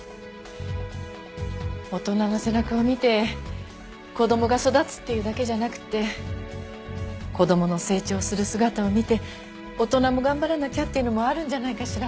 大人の背中を見て子供が育つっていうだけじゃなくて子供の成長する姿を見て大人も頑張らなきゃっていうのもあるんじゃないかしら？